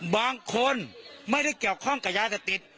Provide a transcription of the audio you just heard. บางคนไม่ได้เกี่ยวข้องกับยาเสพติด